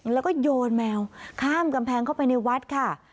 แล้วก็โยนแมวข้ามกำแพงเข้าไปในวัดค่ะ